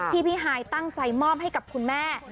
พี่ฮายตั้งใจมอบให้กับคุณแม่